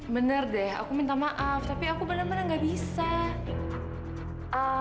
bener deh aku minta maaf tapi aku benar benar gak bisa